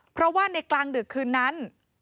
เพราะว่าในกลางดึกคืนนั้น